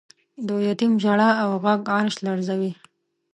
د یتیم ژړا او غږ عرش لړزوی.